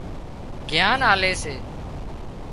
گيان آلي سي